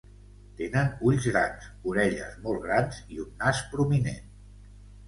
Tenen ulls grans, orelles molt grans i un nas prominent.